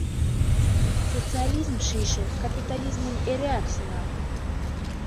Социализм шӱйшӧ капитализмым эреак сеҥа!